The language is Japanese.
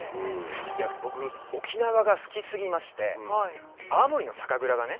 いや僕沖縄が好きすぎまして泡盛の酒蔵がね